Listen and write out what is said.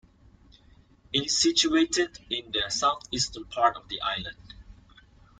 It is situated in the southeastern part of the island.